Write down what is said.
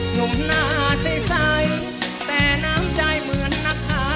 หนุ่มหน้าใสแต่น้ำใจเหมือนนะคะ